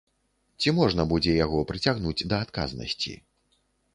Ці можна будзе яго прыцягнуць да адказнасці?